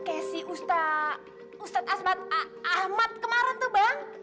kayak si ustadz asmat ahmat kemarin tuh bang